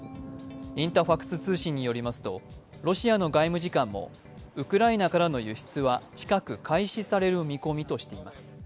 インタファクス通信によりますとロシアの外務次官もウクライナからの輸出は近く開始される見込みとしています。